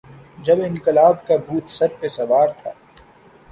جب انقلاب کا بھوت سر پہ سوار تھا۔